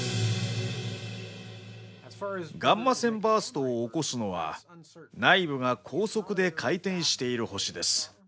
ガンマ線バーストを起こすのは内部が高速で回転している星です。